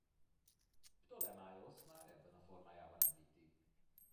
Ptolemaiosz már ebben a formájában említi.